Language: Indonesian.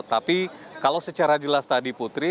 tapi kalau secara jelas tadi putri